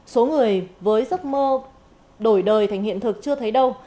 số người với giấc mơ đổi đời thành hiện thực chưa thấy đâu